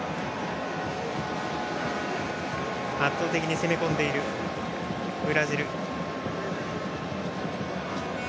圧倒的に攻め込んでいるブラジル。